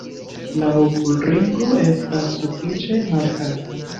La okulringo estas sufiĉe markata.